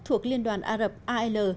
thuộc liên đoàn ả rập al